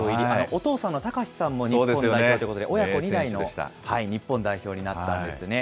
お父さんのたかしさんも日本代表ということで、親子２代の日本代表になったんですよね。